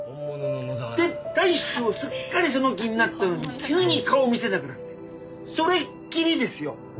で大将すっかりその気になったのに急に顔を見せなくなってそれっきりですよ。